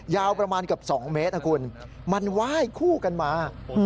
ยาวประมาณเกือบ๒เมตรนะคุณมันไหว้คู่กันมา